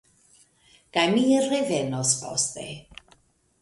Kaj mi revenos poste.